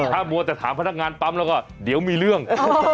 ถ้ามัวแต่ถามพนักงานปั๊มแล้วก็เดี๋ยวมีเรื่อง